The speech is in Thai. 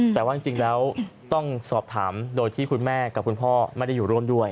แต่ว่าจริงแล้วต้องสอบถามโดยที่คุณแม่กับคุณพ่อไม่ได้อยู่ร่วมด้วย